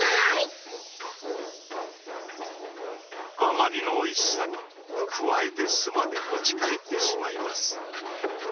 あまりのおいしさにくわえて巣まで持ち帰ってしまいます。